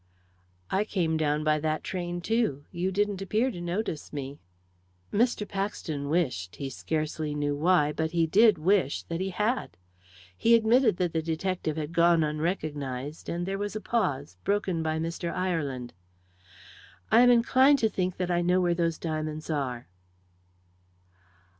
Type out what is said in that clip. "I came down by that train too; you didn't appear to notice me." Mr. Paxton wished he scarcely knew why, but he did wish that he had. He admitted that the detective had gone unrecognised, and there was a pause, broken by Mr. Ireland. "I am inclined to think that I know where those diamonds are."